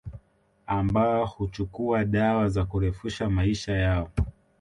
Ambao huchukua dawa za kurefusha maisha yao